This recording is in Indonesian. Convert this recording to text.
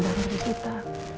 dalam diri kita